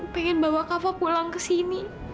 pengen bawa kava pulang ke sini